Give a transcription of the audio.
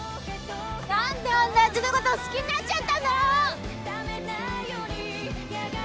「何であんなやつのこと好きになっちゃったんだろ！」